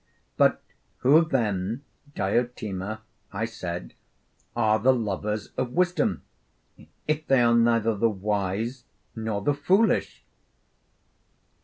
'But who then, Diotima,' I said, 'are the lovers of wisdom, if they are neither the wise nor the foolish?'